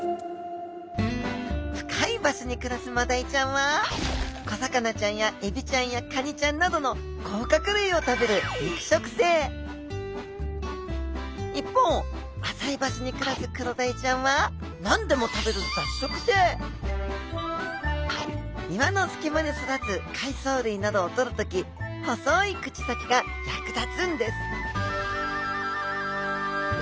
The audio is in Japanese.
深い場所に暮らすマダイちゃんは小魚ちゃんやエビちゃんやカニちゃんなどの甲殻類を食べる一方浅い場所に暮らすクロダイちゃんは何でも食べる岩の隙間に育つ海藻類などをとる時細い口先が役立つんです